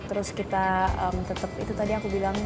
terus kita tetap itu tadi aku bilang